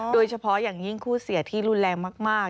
โดยเฉพาะอย่างยิ่งคู่เสียที่รุนแรงมาก